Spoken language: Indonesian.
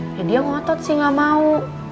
ya dia ngotot sih gak mau